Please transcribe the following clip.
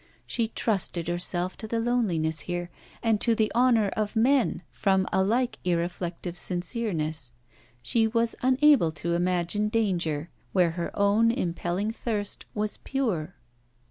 She trusted herself to the loneliness here, and to the honour of men, from a like irreflective sincereness. She was unable to imagine danger where her own impelling thirst was pure...